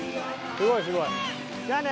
すごい、すごい！じゃあね！